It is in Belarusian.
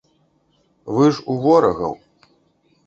Вы ж у ворагаў.